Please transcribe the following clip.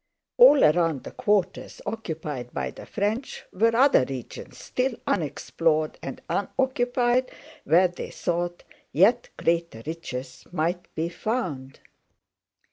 All around the quarters occupied by the French were other regions still unexplored and unoccupied where, they thought, yet greater riches might be found.